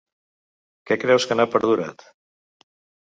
Que creus que n’ha perdurat?